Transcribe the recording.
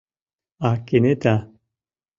— А кенета!